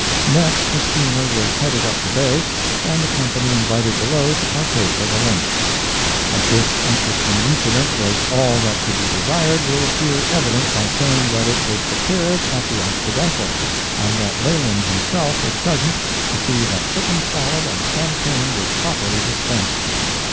Next the steamer was headed up the Bay, and the company invited below to partake of a lunch. That this interesting incident was all that could be desired will appear evident by saying that it was prepared at the "Occidental," and that Leland himself was present to see that chicken salad and champagne were properly dispensed.